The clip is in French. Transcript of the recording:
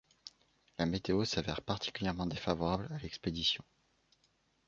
La météo s’avère particulièrement défavorable à l’expédition.